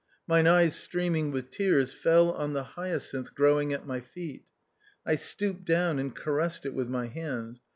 Mine eyes streaming with tears fell on the hyacinth growing at my feet. I stooped down and caressed it with my hand.